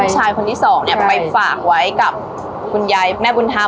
ผู้ชายคนที่สองเนี่ยไปฝากไว้กับคุณยายแม่บุญธรรม